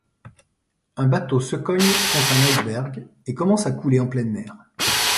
Un bateau se cogne contre un iceberg et commence à couler en pleine mer.